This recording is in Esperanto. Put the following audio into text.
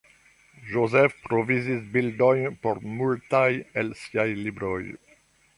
Joseph provizis bildojn por multaj el ŝiaj libroj.